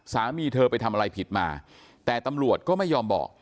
สามีเธอไปทำอะไรผิดมาแต่ตำรวจก็ไม่ยอมบอก